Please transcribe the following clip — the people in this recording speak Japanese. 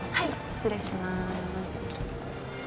失礼します。